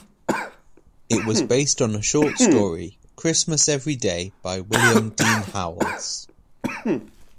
It was based on a short story, "Christmas Every Day" by William Dean Howells.